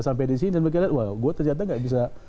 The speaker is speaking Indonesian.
sampai di sini dan mereka lihat wah gue ternyata gak bisa